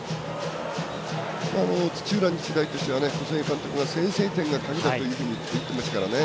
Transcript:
土浦日大としては小菅監督が先制点が鍵だと言っていましたからね